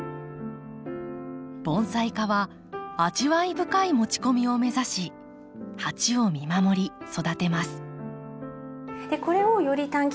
盆栽家は味わい深い持ち込みを目指し鉢を見守り育てます。